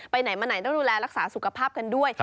ไหนมาไหนต้องดูแลรักษาสุขภาพกันด้วย